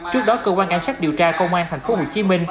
trước đó cơ quan cảnh sát điều tra công an tp hcm